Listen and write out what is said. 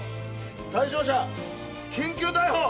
対象者緊急逮捕！